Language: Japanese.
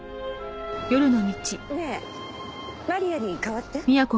ねえ真利愛に代わって。